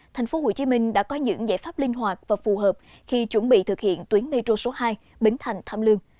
thành phố hồ chí minh đã có những giải pháp linh hoạt và phù hợp khi chuẩn bị thực hiện tuyến metro số hai bến thành tham lương